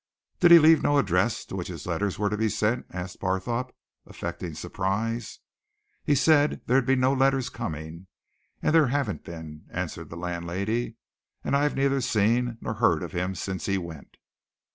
"Did he leave no address to which his letters were to be sent?" asked Barthorpe, affecting surprise. "He said there'd be no letters coming and there haven't been," answered the landlady. "And I've neither seen nor heard of him since he went."